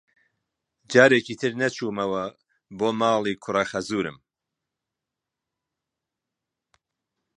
جارێکی تر نەچوومەوە بۆ ماڵی کوڕەخەزوورم.